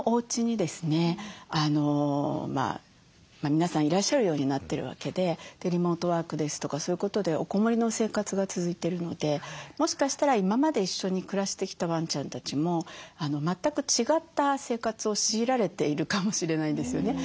皆さんいらっしゃるようになってるわけでリモートワークですとかそういうことでおこもりの生活が続いてるのでもしかしたら今まで一緒に暮らしてきたワンちゃんたちも全く違った生活を強いられているかもしれないですよね。